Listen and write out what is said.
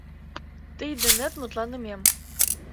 — Тый денет мутланымем.